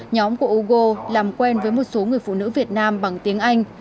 nhóm của augo làm quen với một số người phụ nữ việt nam bằng tiếng anh